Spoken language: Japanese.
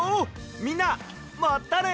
みんなまたね！